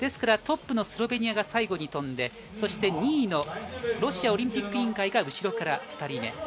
トップのスロベニアが最後に飛んで、２位のロシアオリンピック委員会が後ろから２人目。